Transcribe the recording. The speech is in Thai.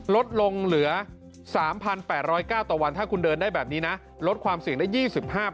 ลดลงเหลือ๓๘๐๙ต่อวันถ้าคุณเดินได้แบบนี้นะลดความเสี่ยงได้๒๕